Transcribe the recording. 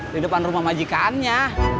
di depan rumah majikannya